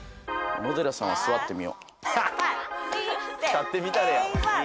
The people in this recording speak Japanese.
立って見たれや。